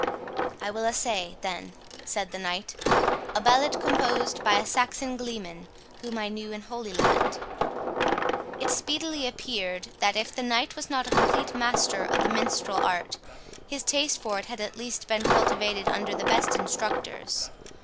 "I will assay, then," said the knight, "a ballad composed by a Saxon glee man, whom I knew in Holy Land." It speedily appeared, that if the knight was not a complete master of the minstrel art, his taste for it had at least been cultivated under the best instructors.